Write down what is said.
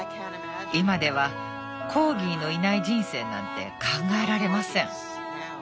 今ではコーギーのいない人生なんて考えられません。